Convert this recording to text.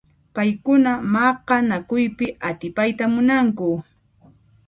Paykuna maqanakuypi atipayta munanku.